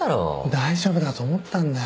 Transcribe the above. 大丈夫だと思ったんだよ。